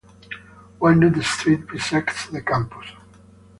Walnut Street bisects the campus.